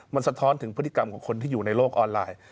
มันสะท้อนถึงพฤติกรรมของคนที่อยู่ในโลกออนไลน์